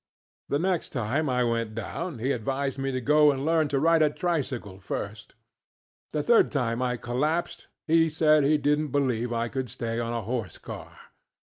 The next time I went down he advised me to go and learn to ride a tricycle first. The third time I collapsed he said he didnŌĆÖt believe I could stay on a horse car.